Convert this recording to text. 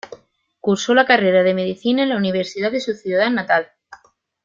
Cursó la carrera de medicina en la Universidad de su ciudad natal.